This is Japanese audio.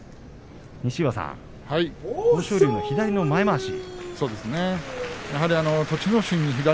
西岩さん、豊昇龍の左の前まわし。